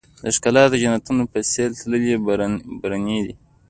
د ښــــــــکلا د جنــــــتونو په ســـــــېل تللـــــــی برنی دی